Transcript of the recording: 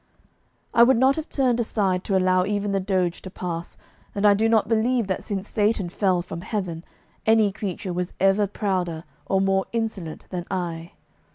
I would not have turned aside to allow even the Doge to pass, and I do not believe that since Satan fell from heaven, any creature was ever prouder or more insolent than I.